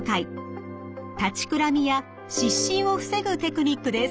立ちくらみや失神を防ぐテクニックです。